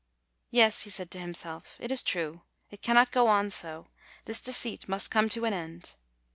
"Yes," he said to himself, "it is true; it cannot go on so; this deceit must come to an end."